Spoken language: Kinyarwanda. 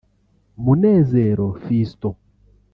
Munezero Fiston